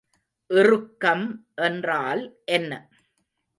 இறுக்கம் என்றால் என்ன?